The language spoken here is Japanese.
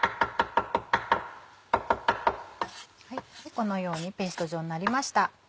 このようにペースト状になりました。